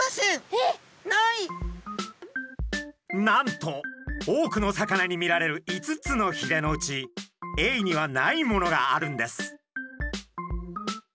なんと多くの魚に見られる５つのひれのうちエイにはないものがあるんです！